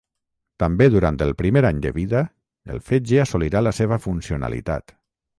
També durant el primer any de vida el fetge assolirà la seva funcionalitat.